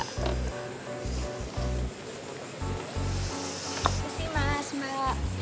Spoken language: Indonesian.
makasih mas mbak